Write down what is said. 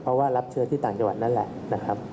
เพราะว่ารับเชื้อที่ต่างจังหวัดนั่นแหละนะครับ